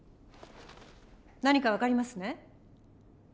何か分かりますね？